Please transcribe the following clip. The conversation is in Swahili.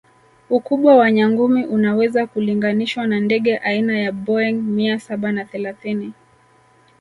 Ukubwa wa nyangumi unaweza kulinganishwa na ndege aina ya Boeing mia Saba na thelathini